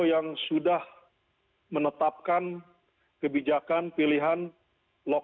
yang sudah menetapkan kebijakan pilihan lokal